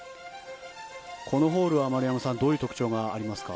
このホールは丸山さんどういう特徴がありますか？